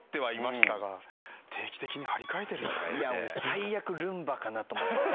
最悪ルンバかなと思って。